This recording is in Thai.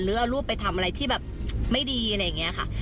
หรือเอารูปไปทำอะไรที่แบบไม่ดีอะไรอย่างนี้ค่ะ